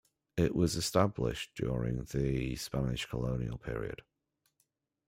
It was established during the Spanish colonial period.